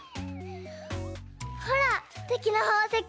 ほらすてきなほうせき！